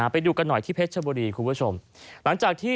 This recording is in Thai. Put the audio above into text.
ไปดูกันหน่อยที่เพชรชบอุทย์บริการราชอุดสดี